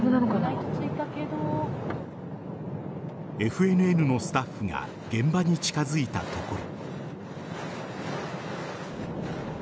ＦＮＮのスタッフが現場に近づいたところ。